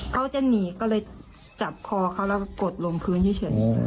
เขาจะหนีก็เลยจับคอเขาแล้วกดลงพื้นเฉย